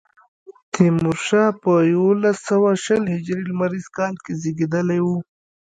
تیمورشاه په یوولس سوه شل هجري لمریز کال کې زېږېدلی و.